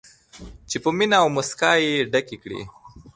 چې په مینه او موسکا یې ډکې کړي.